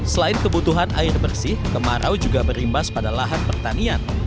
selain kebutuhan air bersih kemarau juga berimbas pada lahan pertanian